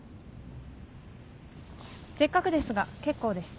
せっかくですが結構です。